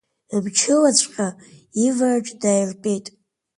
Мчылаҵәҟьа ивараҿ дааиртәеит.